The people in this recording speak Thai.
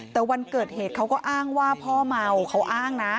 แต่วันเกิดเหตุเขาก็อ้างว่าพ่อเมาเขาอ้างนะ